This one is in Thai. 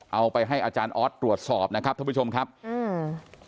เอาไปให้อาจารย์ออสตรวจสอบนะครับท่านผู้ชมครับอืม